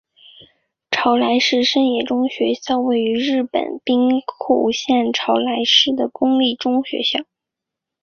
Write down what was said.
朝来市立生野中学校位于日本兵库县朝来市的公立中学校。